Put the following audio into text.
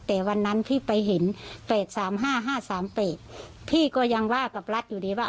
แต่วันนั้นพี่ไปเห็นเป็ดสามห้าห้าสามเป็ดพี่ก็ยังว่ากับรัฐอยู่นี่ว่า